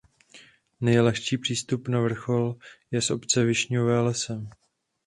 Nejlehčí přístup na vrchol je z obce Višňové lesem.